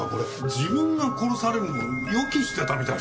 自分が殺されるのを予期してたみたいじゃないですか。